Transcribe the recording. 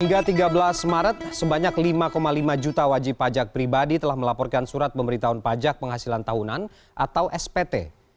hingga tiga belas maret sebanyak lima lima juta wajib pajak pribadi telah melaporkan surat pemberitahuan pajak penghasilan tahunan atau spt